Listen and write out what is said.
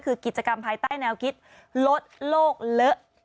คือกิจกรรมภายใต้แนวคิดลดโลกเลอะ